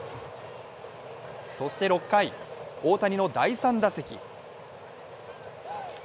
そして６回、大谷の第３打席。